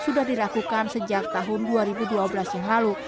sudah dilakukan sejak tahun dua ribu dua belas yang lalu